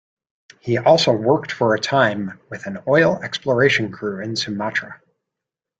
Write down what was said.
He also worked for a time with an oil exploration crew in Sumatra.